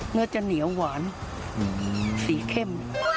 เนื้อจะเหนียวหวานสีเข้ม